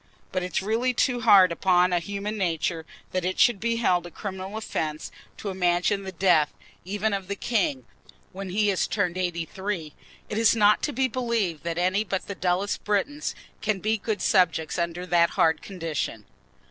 But it is really too hard upon human nature that it should be held a criminal offence to imagine the death even of the king when he is turned eighty three. It is not to be believed that any but the dullest Britons can be good subjects under that hard condition.